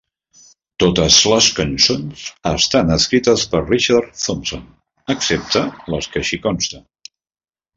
Totes les cançons estan escrites per Richard Thompson excepte les que així consta.